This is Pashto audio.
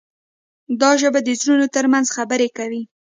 دا ژبه د زړونو ترمنځ خبرې کوي.